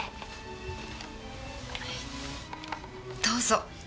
どうぞ。